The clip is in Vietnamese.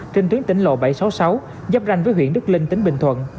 trên tuyến tỉnh lộ bảy trăm sáu mươi sáu giáp ranh với huyện đức linh tỉnh bình thuận